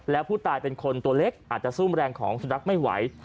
แล้วผู้ตายเป็นคนตัวเล็กอาจจะซุ่มแรงของสุนัขไม่ไหว